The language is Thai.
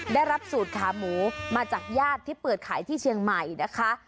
ได้รับสูตรขาหมูมาจากญาติที่เปิดขายที่เชียงใหม่นะคะ